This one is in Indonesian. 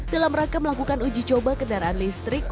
dalam rangka melakukan uji coba kendaraan listrik